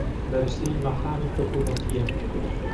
بەرزترین مەقامی حکوومەتییە